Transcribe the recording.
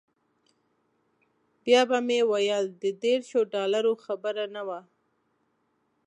بیا به مې ویل د دیرشو ډالرو خبره نه وه.